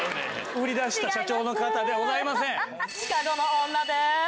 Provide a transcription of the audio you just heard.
売り出した社長の方ではございません。